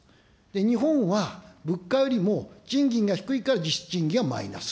日本は物価よりも賃金が低いから実質賃金はマイナス。